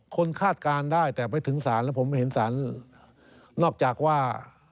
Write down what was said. คาดการณ์ได้แต่ไปถึงศาลแล้วผมเห็นสารนอกจากว่า